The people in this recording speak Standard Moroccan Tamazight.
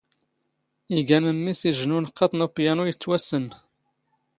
ⵉⴳⴰ ⵎⴻⵎⵎⵉⵙ ⵉⵊⵊ ⵏ ⵓⵏⵇⵇⴰⵟ ⵏ ⵓⴱⵢⴰⵏⵓ ⵉⵜⵜⵡⴰⵙⵙⵏⵏ.